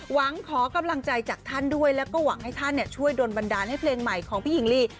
หวังขอกำลังใจจากท่านด้วยแล้วก็หวังให้ท่านช่วยโดนบันดาลให้เพลงใหม่ของพี่หญิงลี